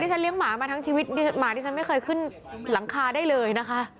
ฉันเลี้ยงหมามาทั้งชีวิตหมาดิฉันไม่เคยขึ้นหลังคาได้เลยนะคะ